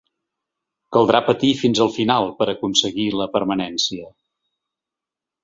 Caldrà patir fins al final per a aconseguir la permanència.